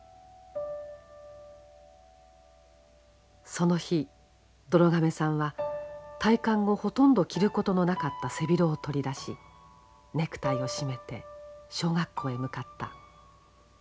その日どろ亀さんは退官後ほとんど着ることのなかった背広を取り出しネクタイを締めて小学校へ向かった。